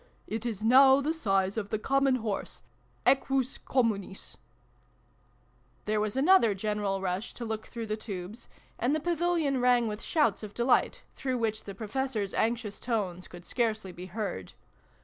" It is now the size of the Common Horse Equus Communis !" There was another general rush, to look through the tubes, and the Pavilion rang with shouts of delight, through which the Professor's anxious tones could scarcely be heard.